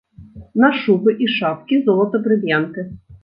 На шубы і шапкі, золата-брыльянты.